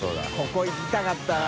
海行きたかったな。